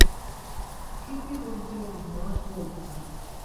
He presented with Matt Broughton.